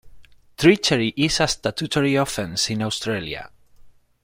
Treachery is a statutory offence in Australia.